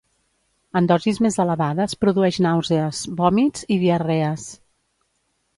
En dosis més elevades produeix nàusees, vòmits i diarrees.